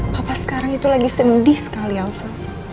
papa sekarang itu lagi sedih sekali alsa